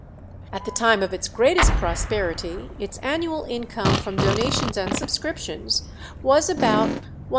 At the time of its greatest prosperity, its annual income from donations and subscriptions was about £1600.